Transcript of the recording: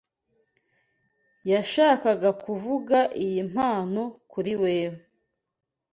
Yashakaga kuvuga iyi mpano kuri wewe.